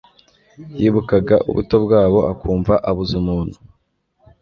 Yibukaga ubuto bwabo akumva abuze umuntu